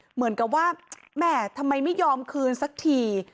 เหมือนกับว่าแม่ทำไมไม่ยอมคืนสักที